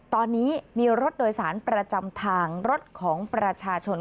ตอนนี้มีรถโดยสารประจำทางรถของประชาชน